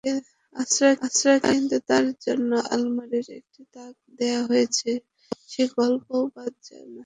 আশ্রয়কেন্দ্রে তার জন্য আলমারির একটি তাক দেওয়া হয়েছে—সে গল্পও বাদ যায় না।